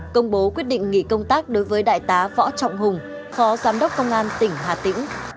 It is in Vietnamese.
công bố quyết định nghỉ công tác đối với đại tá võ trọng hùng phó giám đốc công an tỉnh hà tĩnh